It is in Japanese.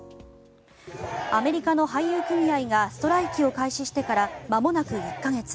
アメリカの俳優組合がストライキを開始してからまもなく１か月。